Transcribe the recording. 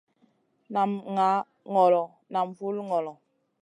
Nam ŋah ŋolo nam vul ŋolo.